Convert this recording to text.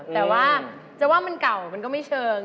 แต่ว่าจะว่ามันเก่ามันก็ไม่เชิง